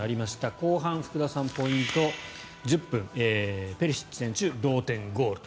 後半、福田さんのポイント１０分、ペリシッチ選手同点ゴールと。